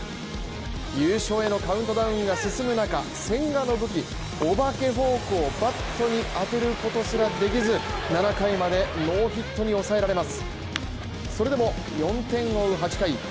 優勝へのカウントダウンが進む中、千賀の武器、お化けフォークをバットに当てることすらできず、７回までノーヒットに抑えられます。